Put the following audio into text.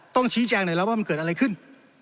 ต้องชี้แจงหน่อยแล้วว่ามันเกิดอะไรขึ้น